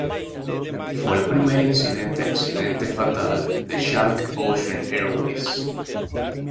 Fue el primer incidente accidente fatal de Chalk Ocean Airways.